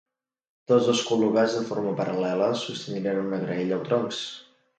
Tots dos col·locats de forma paral·lela sostindrien una graella o troncs.